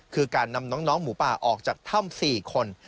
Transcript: คือการนำน้องหมูป่าออกจากถ้ำ๔คน